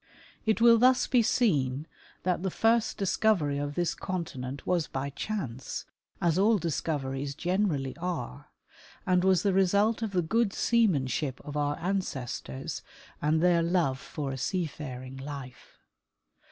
It will thus be seen that the first discovery of this continent was by chance, as all discoveries generally are, and was the result of the good seamanship of our ancestors and their love for a seafaring life.